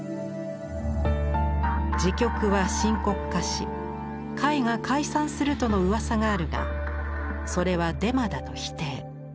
時局は深刻化し会が解散するとのうわさがあるがそれはデマだと否定。